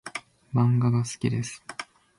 漫画が好きです